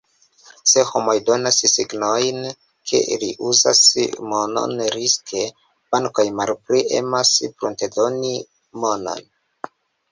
Se homo donas signojn, ke ri uzas monon riske, bankoj malpli emas pruntedoni monon.